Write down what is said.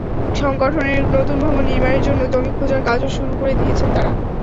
সংগঠনের নতুন ভবন নির্মাণের জন্য জমি খোঁজার কাজও শুরু করে দিয়েছেন তাঁরা।